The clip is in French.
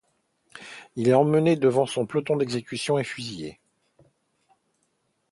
Il est emmené devant un peloton d'exécution et fusillé.